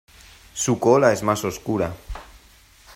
Su cola es más oscura.